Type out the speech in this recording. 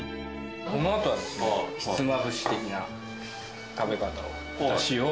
このあとは、ひつまぶし的な食べ方を。